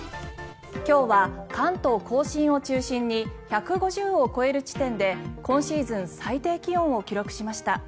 今日は関東・甲信を中心に１５０を超える地点で今シーズン最低気温を記録しました。